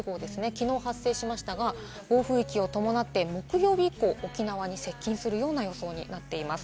きのう発生しましたが、暴風域を伴って、木曜日以降、沖縄に接近するような予想になっています。